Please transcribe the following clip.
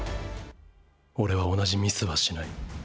俺は同じミスはしない。